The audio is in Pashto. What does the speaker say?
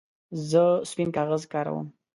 زه سپین کاغذ کاروم.